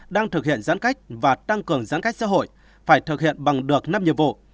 đang thực hiện giãn cách và tăng cường giãn cách xã hội phải thực hiện bằng được năm nhiệm vụ